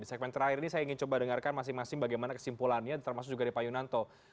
di segmen terakhir ini saya ingin coba dengarkan masing masing bagaimana kesimpulannya termasuk juga dari pak yunanto